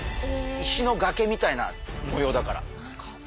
石の崖みたいな模様だから。